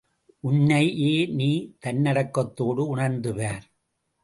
உன்னையே நீ தன்னடக்கத்தோடு உணர்ந்து பார்.